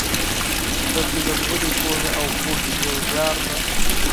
• سترګې د ژورې پوهې او پوهې یو لار ده.